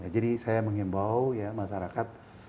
jadi saya menghimbau masyarakat